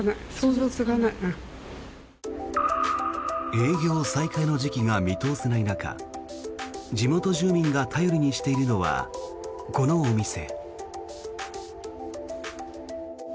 営業再開の時期が見通せない中地元住民が頼りにしているのはこのお店。